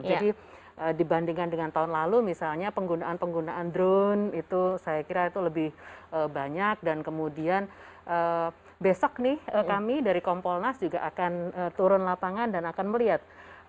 jadi dibandingkan dengan tahun lalu misalnya penggunaan penggunaan drone itu saya kira itu lebih banyak dan kemudian besok nih kami dari kompolnas juga akan turun lapangan dan akan melihat